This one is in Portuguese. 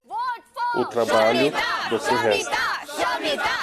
O trabalho, do que resta.